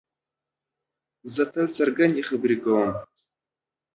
زه تل څرګندې خبرې کوم.